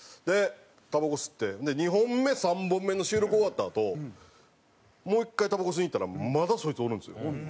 たばこ吸って２本目３本目の収録終わったあともう１回たばこ吸いに行ったらまだそいつおるんですよ。